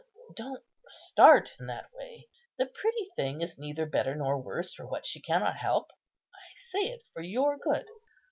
Don't start in that way; the pretty thing is neither better nor worse for what she cannot help. I say it for your good.